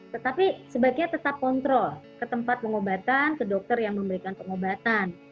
tetapi sebaiknya tetap kontrol ke tempat pengobatan ke dokter yang memberikan pengobatan